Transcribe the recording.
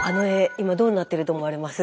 今どうなってると思われます？